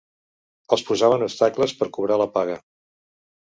Els posaven obstacles per cobrar la paga